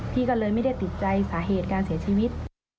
พี่ก็เลยไม่ได้ติดใจสาเหตุการเสียชีวิต